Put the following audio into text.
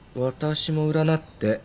「私も占って！」